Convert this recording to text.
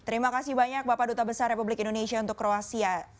terima kasih banyak bapak duta besar republik indonesia untuk kroasia